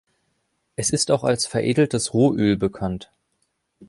Es ist auch als „veredeltes Rohöl“ bekannt.